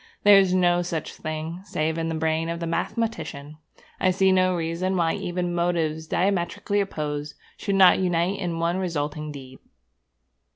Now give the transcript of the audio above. There is no such thing, save in the brain of the mathematician. I see no reason why even motives diametrically opposite should not unite in one resulting deed.'